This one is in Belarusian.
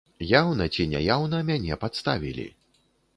Яўна ці няяўна мяне падставілі.